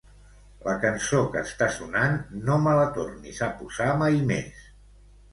La cançó que està sonant no me la tornis a posar mai més.